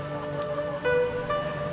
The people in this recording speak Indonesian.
ini taiwan punya